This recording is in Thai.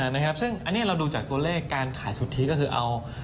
นะครับซึ่งอันนี้เราดูจากตัวเลขการขายสุทธิก็คือเอา